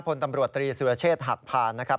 พลตำรวจตรีสุรเชษฐ์หักพานนะครับ